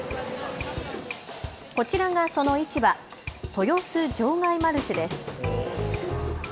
こちらがその市場、豊洲場外マルシェです。